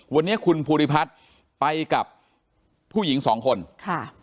วันนี้คุณภูริพัฒน์ไปกับผู้หญิงสองคนค่ะ